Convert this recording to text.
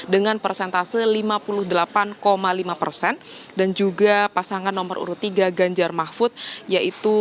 dengan rincian pasangan nomor urut tiga ganjar mahfud yaitu dua puluh tujuh empat puluh delapan ratus tujuh puluh dua